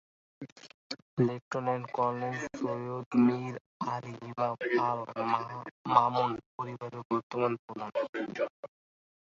Lieutenant কর্নেল সৈয়দ মীর আলী ইমাম আল মামুন পরিবারের বর্তমান প্রধান।